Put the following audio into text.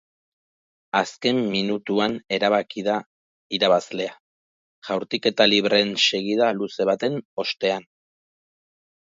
Azken minutuan erabaki da irabazlea, jaurtiketa libreen segida luze baten ostean.